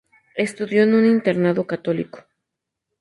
Estudió en un internado católico.